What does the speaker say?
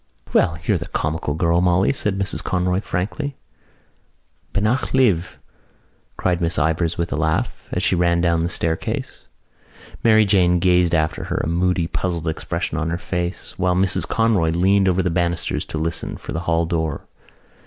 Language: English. "Well, you're the comical girl, Molly," said Mrs Conroy frankly. "Beannacht libh," cried Miss Ivors, with a laugh, as she ran down the staircase. Mary Jane gazed after her, a moody puzzled expression on her face, while Mrs Conroy leaned over the banisters to listen for the hall door.